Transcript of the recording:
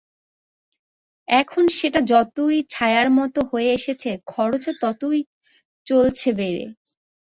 এখন সেটা যতই ছায়ার মতো হয়ে এসেছে, খরচও ততই চলেছে বেড়ে।